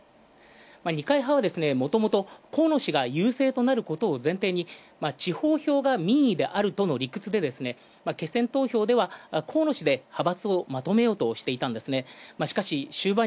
二階派はもともと河野氏が優勢となることを前提に地方票が民意であるの理屈で決選投票では河野氏で派閥をまとめようとしていたんですね。